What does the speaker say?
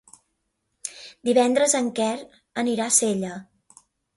Divendres en Quer anirà a Sella.